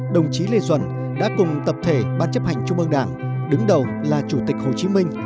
đồng chí lê duẩn đã cùng tập thể ban chấp hành trung ương đảng đứng đầu là chủ tịch hồ chí minh